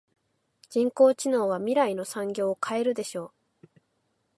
人工知能は未来の産業を変えるでしょう。